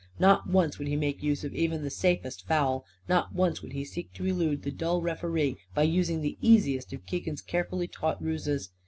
Not once would he make use of even the safest foul. Not once would he seek to elude the dull referee by using the easiest of Keegan's carefully taught ruses.